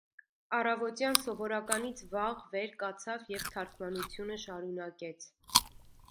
Առավոտյան սովորականից վաղ վեր կացավ և թարգմանությունը շարունակեց: